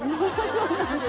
そうなんです